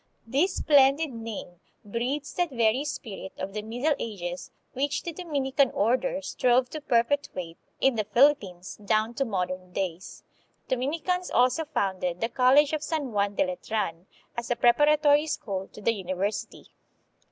This splendid name breathes that very spirit of the Middle Ages which the Dominican order strove to perpetuate in the Philippines down to modern days. 1 Dominicans also founded the College of San Juan de Letran, as a prepara tory school to the University.